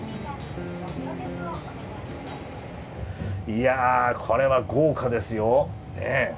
いやこれは豪華ですよええ。